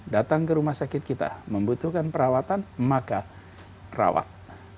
datang ke rumah sakit kita membutuhkan perawatan maka rawat